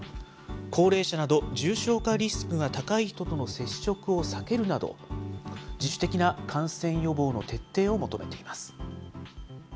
高齢者など重症化リスクが高い人との接触を避けるなど、自主的な感染予防の徹底を求めています。